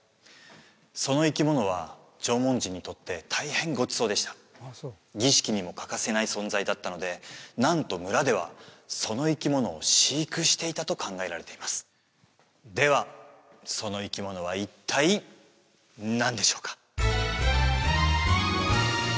その生き物は縄文人にとって大変ごちそうでした儀式にも欠かせない存在だったのでなんとムラではその生き物を飼育していたと考えられていますではその生き物は一体何でしょうか？